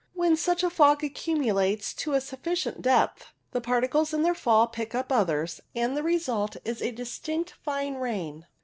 When such a fog accumulates to a sufficient depth, the particles in their fall pick up others, and the result is a distinct fine rain.